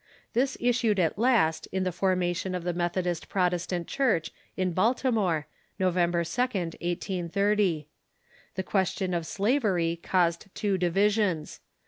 This issued at last in the formation of the Methodist Protestant Church in Baltimore, November 2d, 1830. The question of sla very caused two divisions.